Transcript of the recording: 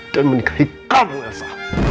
dan menikahi kamu elsa